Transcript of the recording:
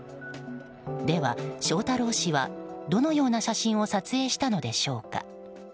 では、翔太郎氏はどのような写真を撮影したのでしょうか。